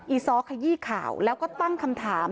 อซ้อขยี้ข่าวแล้วก็ตั้งคำถาม